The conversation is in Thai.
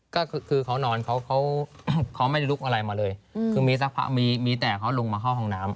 ก็คือเขานอนเขาเขาไม่ได้ลุกอะไรมาเลยคือมีสักพักมีมีแต่เขาลงมาเข้าห้องน้ำ